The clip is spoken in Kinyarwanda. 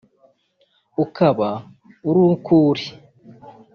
ukaba uri uko uri